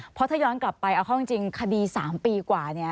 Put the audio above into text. เพราะถ้าย้อนกลับไปเอาเข้าจริงคดี๓ปีกว่าเนี่ย